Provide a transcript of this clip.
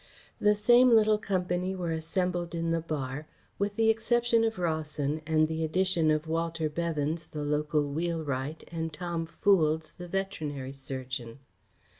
The same little company were assembled in the bar, with the exception of Rawson and the addition of Walter Beavens, the local wheelwright, and Tom Foulds, the veterinary surgeon.